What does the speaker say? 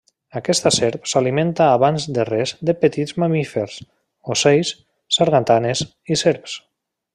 Aquesta serp s'alimenta abans de res de petits mamífers, ocells, sargantanes i serps.